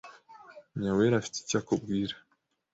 Nyawera afite icyo akubwira.